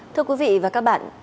thưa quý vị và các bạn